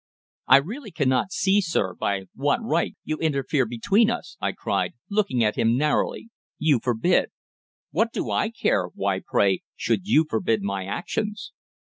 "I really cannot see, sir, by what right you interfere between us!" I cried, looking at him narrowly. "You forbid! What do I care why, pray, should you forbid my actions?"